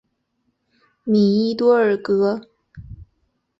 米伊多尔格。